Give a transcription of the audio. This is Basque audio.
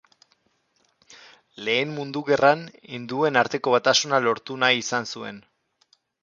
Lehen Mundu Gerran hinduen arteko batasuna lortu nahi izan zuen.